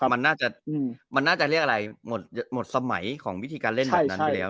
มันน่าจะมันน่าจะเรียกอะไรหมดสมัยของวิธีการเล่นแบบนั้นไปแล้ว